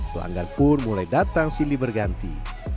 pelanggan pun mulai datang silih berganti